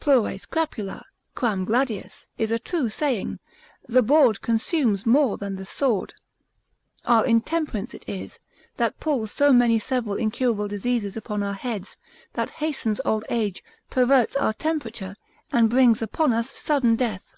Plures crapula, quam gladius, is a true saying, the board consumes more than the sword. Our intemperance it is, that pulls so many several incurable diseases upon our heads, that hastens old age, perverts our temperature, and brings upon us sudden death.